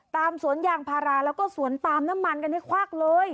สวนยางพาราแล้วก็สวนปาล์มน้ำมันกันให้ควักเลย